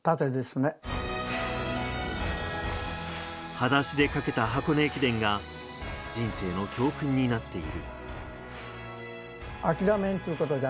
裸足で駆けた箱根駅伝が人生の教訓になっている。